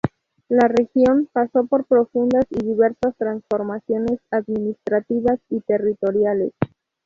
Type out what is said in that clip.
La región pasó por profundas y diversas transformaciones administrativas y territoriales.